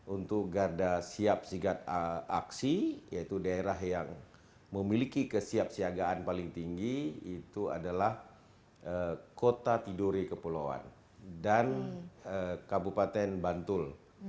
untuk garda siap sigat aksi yaitu daerah yang memiliki kesiapsiagaan paling tinggi itu adalah kota tiduri kepulauan dan kabupaten bantul